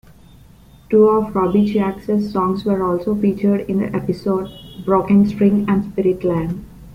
Two of Robicheaux's songs were also featured in the episode, "Broken String" and "Spiritland".